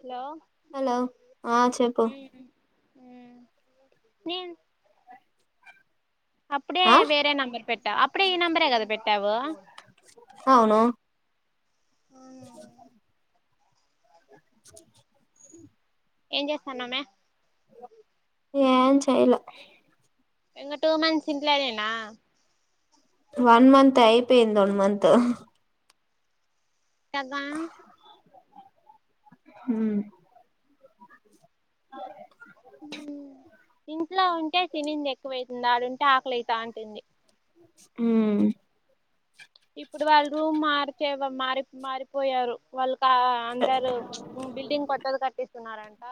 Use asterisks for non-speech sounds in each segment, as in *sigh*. Hello hello ఆ చెప్పు ఉ నీను అప్పుడే ఆ వేరే నంబర్ పెట్టా అప్పుడే ఈ నంబరే కదా పెట్టావు అవును ఏం చేస్తాన్నామే ఏ చేయలా ఇంకో టూ మంత్స్ ఇంట్లోనేనా వన్ మంత్ అయిపోయింది వన్ మంత్ కదా హ ఇంట్లో ఉంటే తనింది ఎక్కువైతుంది ఆడవుంటే ఆకలితా ఉంటుంది ఉ ఇప్పుడు వాళ్ళు మార్చే మారి మారిపోయారు వాళ్ళు అందరు బిల్డింగ్ కొత్తది కట్టిస్తున్నారంట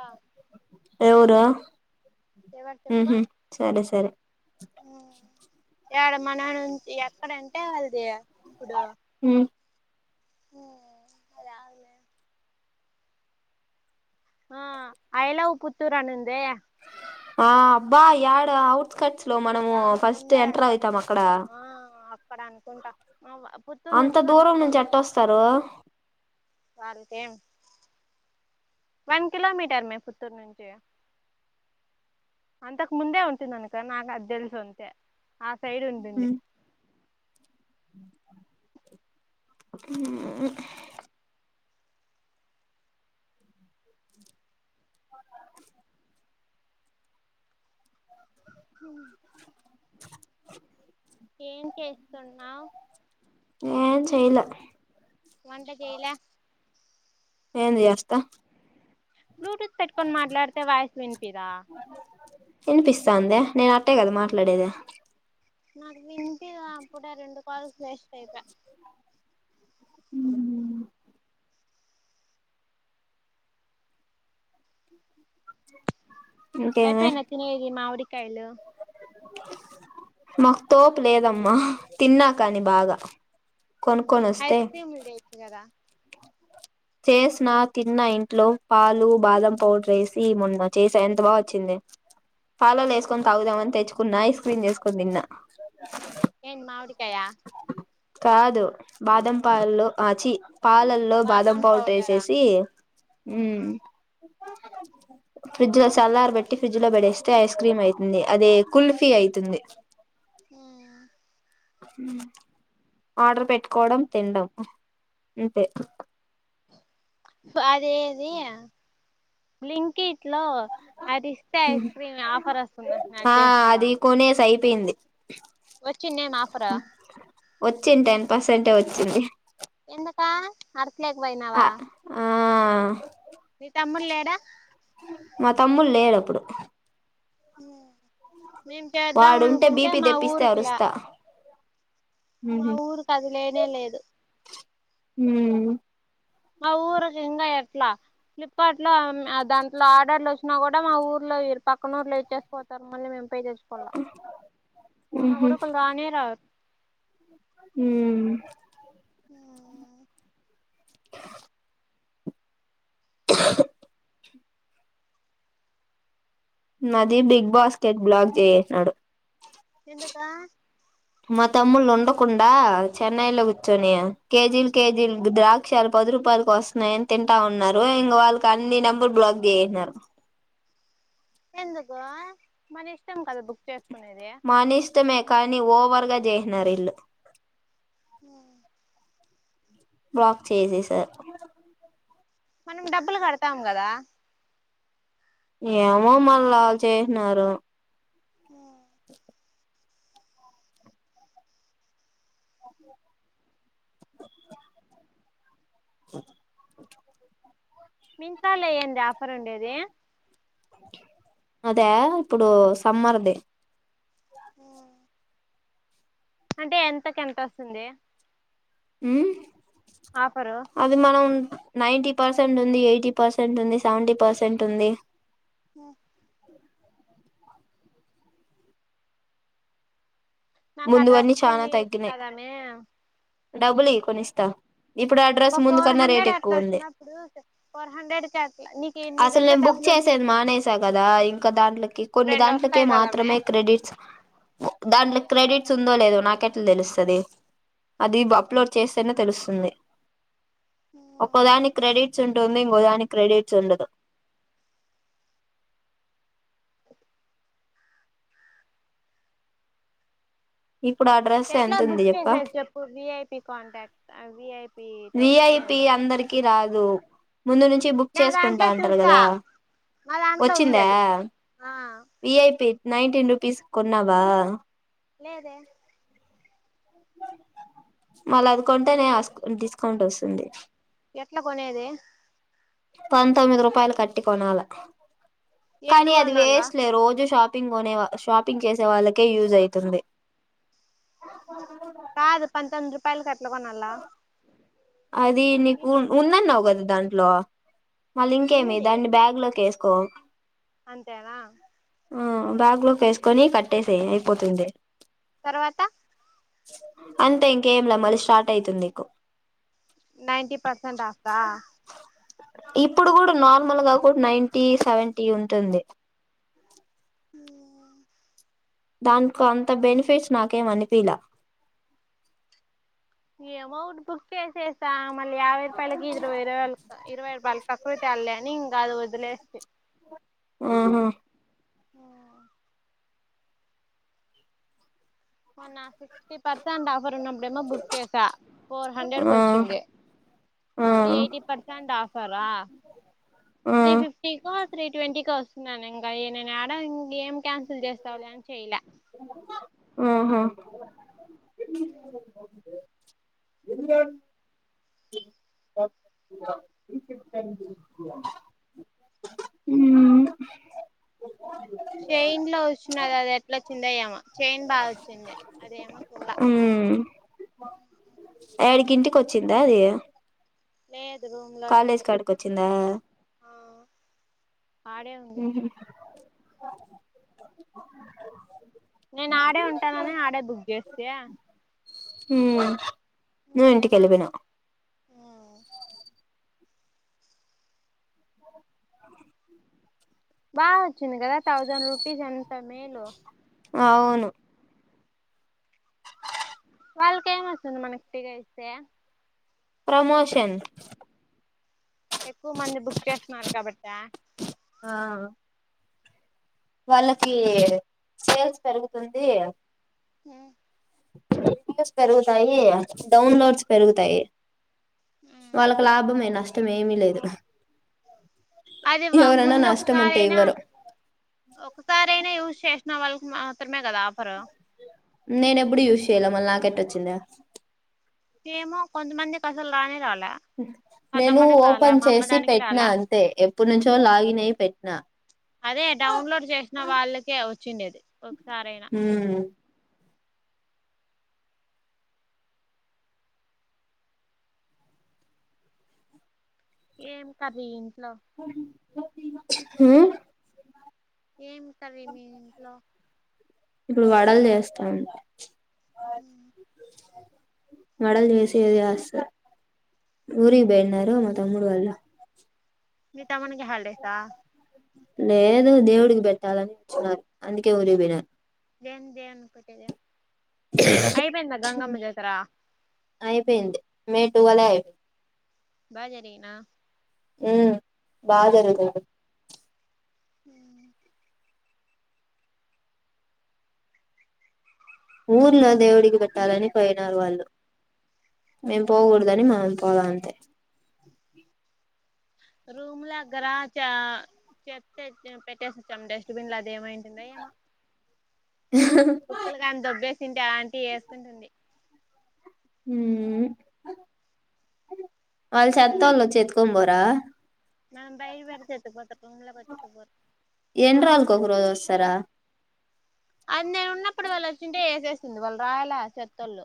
ఎవరు ఎవరు చెప్పు ఉహు సరే సరే ఎడ మన నుంచి ఎక్కడంటే వాళ్ళది ఇప్పుడు ఉమ్ హ అలా అన్న ఆ ఐ లవ్ పుత్తూరు అనింది ఆ అబ్బా యాడ అఔట్కట్స్ లో మనము దానికి ఫస్ట్ ఎంటర్ ముందరంట అవుతాం అక్కడ ఆ అక్కడ అనుకుంటా పుత్తూరు అంత నుంచి వన్ దూరం నుంచి కిలోమీటర్ ఎట్టొస్తారు వాళ్ళకేం వన్ కిలోమీటర్ మే పుత్తూరూ నుంచి అంతక ముందే ఉంతది నాకు అది తెలీదు అంత ఆ సైడ్ ఉంటుంది ఆ అ ఏం చేస్తున్నావ్ ఏం చేయలే వంట చేయలా ఏం చేస్తా బ్లూటూత్ పెట్టుకొని మాట్లాడితే వాయసు వినిపిదా వినిపిస్తాదే నేను అట్టే కదా మాట్లాడేది నాకు వింట అప్పుడే రెండు కాల్స్ వేస్ట్ అయిపోయే ఇంకేమే అయిపోనా తినది మావిడికాయలు మాకు తోపు లేదమ్మా తిన్నా కాని బాగా కొనుక్కుని వస్తే ఐస్ క్రీమ్లు చేయొచ్చు కదా చేసిన తిన్న ఇంట్లో పాలు బాదం పౌడర్ వేసి ఈ మొన్న చేసా ఎంత బా వచ్చింది పాలల్ వేస్కొ తాగుదామంత తెచ్చుకున్న ఐస్ క్రీమ్ చేసుకుని తిన్నా ఏన్ మామిడికాయ కాదు బాదం పాలలు ఆచి పాలల్లో బాదం ఏసేసి ఉమ్ ఫ్రిడ్జ్ లో సలార్బేటీ ఫ్రిడ్జ్ లో పెడేస్తే ఐస్ క్రీమ్ అవుతుంది అదే కుల్ఫీ అవుతుంది అ ఆర్డర్ పెట్టుకోవడం తిండం అంతే అదేది బ్లైంక్ కిట్ లో అది ఇస్తే ఐస్ క్రీమ్ ఆఫర్ వస్తుందంట్నారు చేసిన్వా పింది వచ్చింనే ఆఫరు వచ్చింది టెన్ పర్సెంటే వచ్చింది ఎందుక అర్చలేకపోయినావా ఆ తమ్ముడ్లేడ మా తమ్ముడు లేడప్పుడు మేం చేద్దాం వాడుంటే అనుకుంటే బీపీ మా తెప్పిస్తే ఊరుకిలా అరుస్తా మా ఉహు ఊరుకి అది లేనే లేదు ఉమ్ మా ఊరుకి ఇంక ఎట్లా ఫ్లిప్కార్ట్ లో దాంట్లో ఆర్డర్లు వచ్చినా కూడా మా ఊర్లో మీర్ పక్కన నూర్లే ఇచ్చేసిపోతారు మళ్ళీ మేము పే చేస్కోలా అన్నా కూడా ఒక్కల్ రానే రారు హ ఆ *inaudible* నాది బిగ్ బాస్కెట్ బ్లాక్ చేసేసినాడు ఎందుకు మకుండా చెన్నై లో కూర్చొని కేజీలు కేజీల్ ద్రా క్షాలు పది రూపాయకి వస్తున్నాయని తింటా ఉన్నారు ఇంకా వాళ్ళకి అన్ని నెంబర్ బ్లాక్ చేసేసినారు ఎందుకు మన ఇష్టం కదా బుక్ చేసుకునేది మన ఇష్టమే కానీ ఓవర్ గా చేహినారీళ్లు మ్ బ్లాక్ చేసేసారు మనం డబ్బులు కడతాం కదా ఏమో మళ్ళల్ చేహినారు అ మింత్రలో ఎందే ఆఫర్ ఉండేది అదా ఇప్పుడు సమ్మర్ది మ్ అంటే ఎంతకెంతోస్తుంది మ్ అది మనం నైన్టీ పర్సెంట్ ఉంది ఎయిటీ పర్సెంట్ ఉంది సెవెంటీ పర్సెంట్ ఉంది హ్మ్ ముందువన్నీ నాకాడ్రెస్ కొనియ్యోచ్చు కదేమే డబ్బులియ్ కొనిస్త ఒక ఫోర్ హండ్రెడ్ అట్లోచ్చినప్పుడు ఫోర్ హండ్రెడ్ కట్లా నీకు ఇన్ని అసలు దగ్గర నేను బుక్ డబ్బులు చేసేది మానేసా కదా ఇంకా దాంట్లకి ఇప్పుడు కొన్ని రెండు దాంట్లకే వస్తాయి కదామే మాత్రమే క్రెడిట్స్ దాంట్లో క్రెడిట్స్ ఉందో లేదో నాకెట్లా తెలుస్తది అది అప్లోడ్ చేస్తేనే తెలుస్తుంది ఒకదాని క్రెడిట్ చెంటుంది ఇంకోడానికి క్రెడట్స్ ఉండదు ఇప్పుడు ఆ డ్రెస్ ఎట్లా ఎంత ఉంది బుక్ చెప్ప చేసారు చెప్పు విఐపీ కాంటాక్ట్ విఐపీ విఐపి అందరికి రాదు ముందు నుంచి బుక్ నా దాంట్లో చేసుకుంటా అంటారు చూసా కదా నా దాంట్లో వచ్చింద ఉంది అది ఆ విఐపి నైన్టీన్ రూపీస్ కొన్నావా లేదే మళ్ళ అది కొంటేనే డిస్కౌంట్ వస్తుంది ఎట్లా కొనేది పంతొమ్మిది రూపాయలు కట్టి కొనాల ఏంది కానీ అది కొనాలా వేస్ట్లే రోజు షాపి షపింగ్ షాపింగ్ చేసే వాళ్ళకే యూజ్ అయితుంది పయలు కట్లా కొనలా అది నీకు ఉందన్నావు కదా దాంట్లో మళ్ళీ ఇంకేమి ఉంది దాన్ని బ్యాగ్ లోకి వేసుకో కో అంతేనా ఆ బ్యాగ్ లోకి వేసుకొని కట్టేసే అయిపోతుంది తర్వాత అంతే ఇంకేం లే మళ్ళా స్టార్ట్ అయితుంది నీకు నైన్టీ పర్సెంట్ ఆఫతా ఇప్పుడు కూడా నార్మల్ గా కూడా నైంటీ సెవెంటీ ఉంటుంది దానికో అంత బెనిఫిట్స్ నాకేమ్ అనిపియాల అమౌంట్ బుక్ చేసేస్తా మళ్ళీ యావై రూపాయలకి ఇ్రరు వైరల ఇరవై రూపాయల్ కాకృతి న అది వదిలేసి ఆహా ఆ మోన్నా సిక్స్టీ పర్సెంట్ ఎవరు ఉన్నప్పుడేమో బుక్ చేసా ఫోర్ హండ్రెడ్ కు వచ్చింది ఆ ఇప్పుడు ఎయిటీ పర్సెంట్ ఆఫ్ ఆఫరా ఆ త్రీ ఫిఫ్టీకో త్రీ ట్వంటీకో వస్తున్నాను ఇంకా నేను ఆడాం న ఏం కన్సల్ చేస్తావలేం చెయలే ఆ అ ఎందు *unintelligible* చైన్ లో వచ్చన్నది అది ఎట్లా వచ్చింద ఏమో చైన్ బాగా వచ్చింది అదేమో చూల్లా ఉమ్ ఏడికి ఇంటికి వచ్చిందా అది లేదు రూమ్ లోనే కాలేజ్ ఉంది కాడికి వచ్చిందా ఆడే ఉంది నేను ఆడే ఉంటాననే ఆడే దుగ చేస్తయ ఉ నేను అదేమా ఇంటికెళ్లిపిన బా వచ్చింది కదా థౌసండ్ రూపీస్ ఎంతా మేలు అవును వాళ్ళకి ఏం వస్తుంది మనకి పిగ ఇస్తే ప్రమోషన్ ఎక్కువ మంది బుక్ చేస్తున్నారు కాబట్టా ఆ వాళ్ళకి సేల్స్ పెరుగుతుంది ఉమ్ నస్ పెరుగుతాయి డౌన్లోడ్స్ పెరుగుతాయి వాళ్ళక్ లాభమే నష్టం ఏమి లేదు అది వా ఎవరైనా ముందు నష్టం ఉంటే ఒకసారయినా ఇవ్వరు ఒకసారయినా షెశినా వాల్క్ మాత్రమే కదా ఆఫర్ నేనెప్పుడు యూస్ చేయలే మల్ నాకెట్ట వచ్చింద ఏమో కొంతమందికి అసల్ రానే రాలే కతం నేను మనకి రాలా ఓపెన్ మా అమ్మ చేసి దానికి పెట్టినా రాలా అంతే ఎప్పునుంచో లాగిన్ అయి పెట్టినా అదే డౌన్లోడ్ చేసిన వాళ్ళకే వచ్చిండేది ఒకసారయినా ఏం కర్రీ ఉ ఏం కర్రీ మీ ఇంట్లో ఇప్పుడు వడల్ చేస్తాం హ వడల్ చెసేది యస్స ఊరికి బొయినరు మ తమ్ముడు వాళ్ళు మీ తమ్మునికి హల్డేసా లేదు దేవుడికి పెట్టాలనిచ్చినారు అందుకే ఊరికిపోయిన అయిపోయింద గంగమ్మ జత్ర అయిపోయింది మే టూవలే అయిపోయింది బాజరిగీనా ఉ బా జరుగుతుం అ ఊర్లో దేవుడికి పెట్టాలని పోయినారు వాళ్ళు మేమ్ పోకూడదని మా పోలా అంతే రూమ్లాగ్రాచ్చ చెప్తే సెమ్ పెట్టేసచ్చామ్ డస్ట్బిన్ లో అదేమైంటుందో ఏమో కుక్కలు కానీ దొబ్బేసింటే అ ఆంటీ ఏసుకుంటుంది ఉమ్ వాళ్ చెత్తోలచ్చి ఎత్తుకొన్ పోరా నాన్ బైర్ పెడ్తే ఎత్తుకుపోత రూంలో పెడితే ఎత్తుకుపో ఎన్ని రోజులకు ఒక రోజు వస్తారా అది నేన్ ఉన్నప్పుడు వాళ్ళచ్చింటే ఏసేస్తుంది వాళ్ళు రాయల ఆ చెత్తోళ్ళు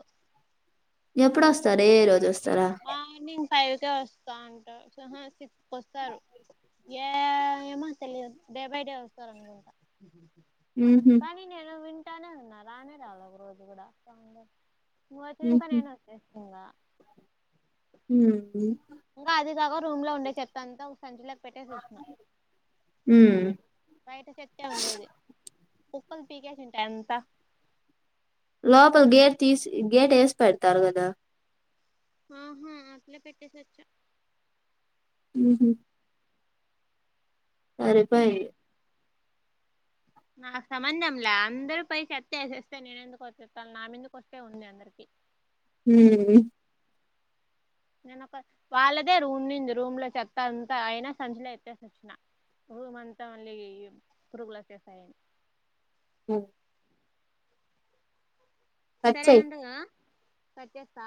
ఎప్పుడొ వస్తారే ఏ రోజు అస్ మార్నింగ్ ఫైవ్కే వస్తా అంటా ఆహా సిక్స్ వస్తారు ఏ ఏమో తెలియదు డే బై డే వస్తారు అనుకుంటా కానీ నేను వింటానే ఉన్నా రానే రాలే ఒక రోజు కూడా నువ్ వచ్చినంకా నేను వచ్చేస్నింగా ఉహ్మ్ ఇంకా అది కాక రూమ్ లో ఉండే చెత్త అంతా సంచలకు పెట్టేసి వచ్చిన బయట చెత్తే ఉండేది ఒప్పల్ పీకేసింటార్ ఎంత లోపల గేట్ తీసి గేట్ ఏసి పెడతారు కదా ఉహు అట్లే పెట్టేసచ్చా ఉహు అరే రిఫైండ్. నాకు సంబంధం లే అందరు పైకి ఎతేస్తే నేనెందుకు వచ్చేస్తాను నా మీదకు వస్తే ఉంది అందరికి. ఉమ్. నేను ఒక వాళ్ళదే రూమ్ నిండిది రూమ్ లో చెత్తాంతా అయినా సంచిలో ఎతైసివచ్చిన. రూమ్ అంతా మళ్ళీ పురుగుల చెత్త అయ్యింది. ఆహ్. సరే ఖర్చయి అండి ఆహ్ పెట్టేస్తా.